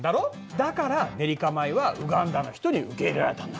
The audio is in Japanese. だからネリカ米はウガンダの人に受け入れられたんだ。